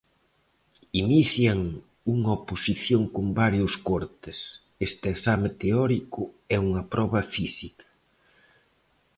Inician unha oposición con varios cortes: este exame teórico e unha proba física.